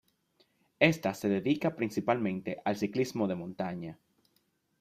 Esta se dedica principalmente al ciclismo de montaña.